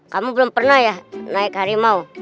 kamu belum pernah ya naik harimau